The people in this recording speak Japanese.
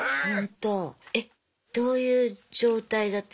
えっどういう状態だった？